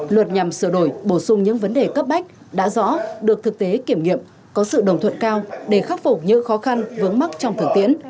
luật nhằm sửa đổi bổ sung những vấn đề cấp bách đã rõ được thực tế kiểm nghiệm có sự đồng thuận cao để khắc phục những khó khăn vướng mắt trong thực tiễn